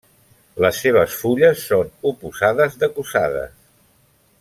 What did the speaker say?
Les seves fulles són oposades decussades.